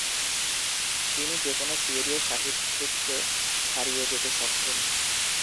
তিনি যেকোন সুয়েডীয় সাহিত্যিককে ছাড়িয়ে যেতে সক্ষম।